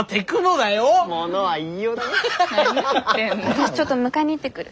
私ちょっと迎えに行ってくる。